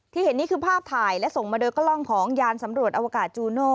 เห็นนี่คือภาพถ่ายและส่งมาโดยกล้องของยานสำรวจอวกาศจูโน่